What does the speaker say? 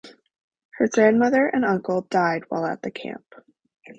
Her grandmother and uncle died while at the camp.